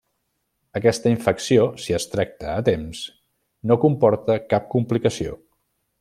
Aquesta infecció si es tracta a temps no comporta cap complicació.